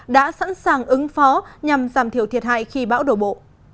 đã sẵn sàng ứng phó nhằm giảm thiểu thiệt hại khi bão đổ bộ